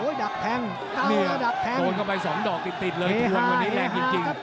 โอ้โฮดับแทงโดนเข้าไป๒ดอกติดเลยทุนวันนี้แรงจริง